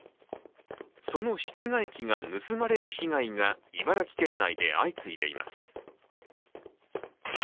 その室外機が盗まれる被害が茨城県内で相次いでいます。